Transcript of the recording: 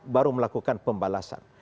baru melakukan pembalasan